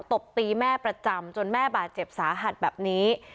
ตบตีแม่ประจำจนแม่บาดเจ็บสาหัสแบบนี้